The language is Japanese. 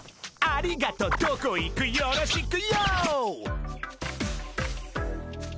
「ありがとどこいくよろしくＹＯ」